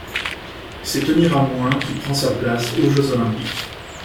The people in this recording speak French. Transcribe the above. C'est Tony Ramoin qui prend sa place aux Jeux olympiques.